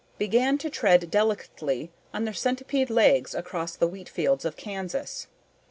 began to tread delicately on their centipede legs across the wheat fields of Kansas.